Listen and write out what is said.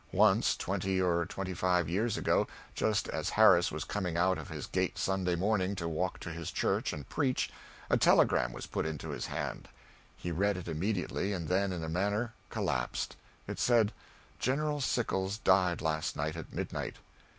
Once, twenty or twenty five years ago, just as Harris was coming out of his gate Sunday morning to walk to his church and preach, a telegram was put into his hand. He read it immediately, and then, in a manner, collapsed. It said: "General Sickles died last night at midnight."